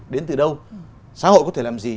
đến từ đâu xã hội có thể làm gì